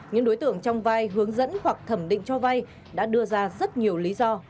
những đối tượng trong vai hướng dẫn hoặc thẩm định cho vay đã đưa ra rất nhiều lý do